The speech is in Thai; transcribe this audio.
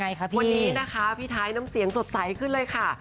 พี่วันนี้นะคะพี่ไทยน้ำเสียงสดใสขึ้นเลยค่ะ